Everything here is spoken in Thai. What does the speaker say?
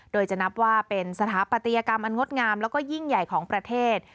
โดยจะนับว่าเป็นสถาปัตยกรรมอันงดงามแล้วก็ยิ่งใหญ่ของประเทศ